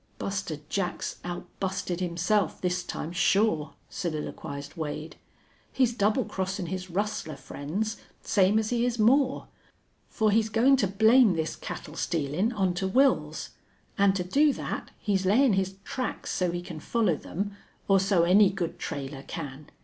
"Buster Jack's outbusted himself this time, sure," soliloquized Wade. "He's double crossin' his rustler friends, same as he is Moore. For he's goin' to blame this cattle stealin' onto Wils. An' to do that he's layin' his tracks so he can follow them, or so any good trailer can.